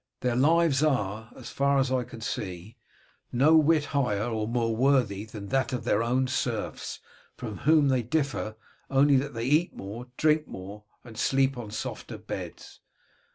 Their lives are, as far as I can see, no whit higher or more worthy than that of their own serfs, from whom they differ only that they eat more, drink more, and sleep on softer beds.